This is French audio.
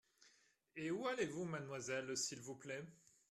Et où allez-vous, mademoiselle, s’il vous plaît ?